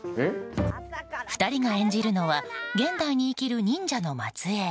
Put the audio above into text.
２人が演じるのは現代に生きる忍者の末裔。